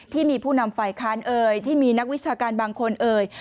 ที่มีผู้นำฝ่ายค้านเอ่ยที่มีนักวิชาการบางคนเอ่ย